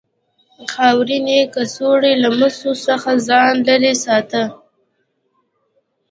خاورینې کڅوړې له مسو څخه ځان لرې ساته.